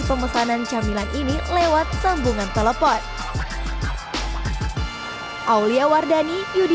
pemesanan camilan ini lewat sambungan telepon